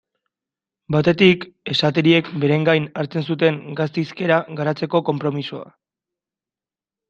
Batetik, esatariek beren gain hartzen zuten gazte hizkera garatzeko konpromisoa.